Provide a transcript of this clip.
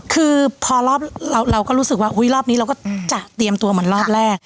คือพอรอบเราก็รู้สึกว่ารอบนี้เราก็จะเตรียมตัวเหมือนรอบแรก